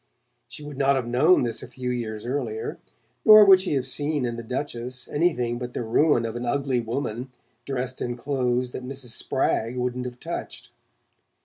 She would not have known this a few years earlier, nor would she have seen in the Duchess anything but the ruin of an ugly woman, dressed in clothes that Mrs. Spragg wouldn't have touched.